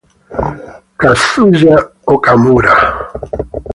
Kazuya Okamura